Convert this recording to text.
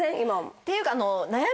っていうか。